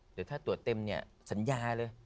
เดี๋ยวถ้าตรวจเต็มเนี่ยสัญญาเลย